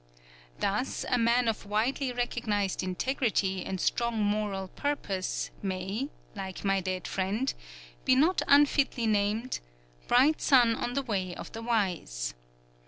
Thus a man of widely recognized integrity and strong moral purpose, may like my dead friend be not unfitly named: "Bright Sun on the Way of the Wise."